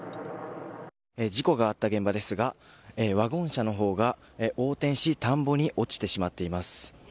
事故があった現場ですがワゴン車のほうが横転し田んぼに落ちてしまっています。